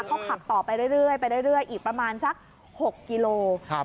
เขาขับต่อไปเรื่อยไปเรื่อยอีกประมาณสัก๖กิโล